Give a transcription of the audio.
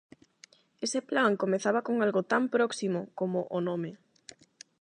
Ese plan comezaba con algo tan próximo como o nome.